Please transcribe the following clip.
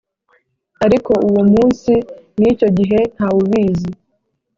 Ariko uwo munsi n icyo gihe nta wubizi